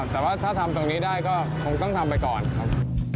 แต่ว่าถ้าทำตรงนี้ได้ก็คงต้องทำไปก่อนครับ